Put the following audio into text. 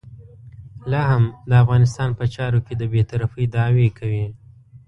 لا هم د افغانستان په چارو کې د بې طرفۍ دعوې کوي.